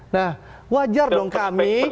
nah wajar dong kami